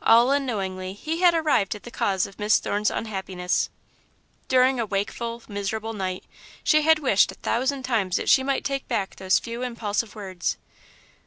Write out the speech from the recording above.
All unknowingly he had arrived at the cause of Miss Thorne's unhappiness. During a wakeful, miserable night, she had wished a thousand times that she might take back those few impulsive words.